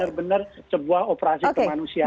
benar benar sebuah operasi kemanusiaan